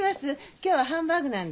今日はハンバーグなんで。